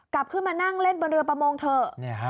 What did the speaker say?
กลับขึ้นมานั่งเล่นบนเรือประมงเถอะ